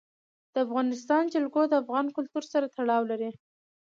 د افغانستان جلکو د افغان کلتور سره تړاو لري.